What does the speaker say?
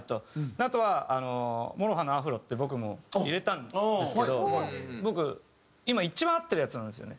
あとはＭＯＲＯＨＡのアフロって僕も入れたんですけど僕今一番会ってるヤツなんですよね。